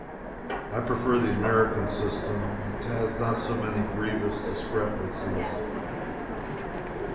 I prefer the American system. It has not so many grievous "discrepancies."